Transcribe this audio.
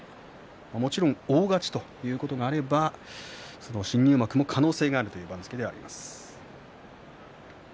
もちろん、大勝ちということがあれば新入幕の可能性があるという番付ではあります。